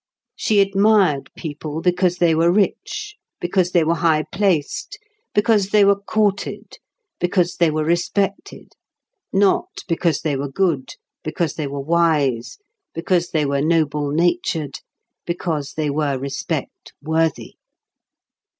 She admired people because they were rich, because they were high placed, because they were courted, because they were respected; not because they were good, because they were wise, because they were noble natured, because they were respectworthy.